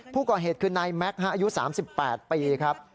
ผู้ก่อเหตุคือนายแม็กซ์อายุ๓๘ปีครับ